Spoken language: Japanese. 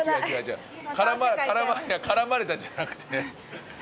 絡まれたじゃなくて。